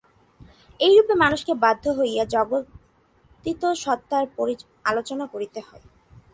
এইরূপে মানুষকে বাধ্য হইয়া জগদতীত সত্তার আলোচনা করিতে হয়।